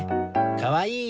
かわいい！